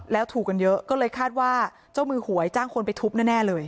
แล้วถูกกันเยอะก็เลยคาดว่าเจ้ามือหวยจ้างคนไปทุบแน่เลย